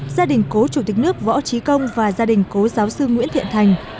gia đình cố chủ tịch nước võ trí công và gia đình cố giáo sư nguyễn thiện thành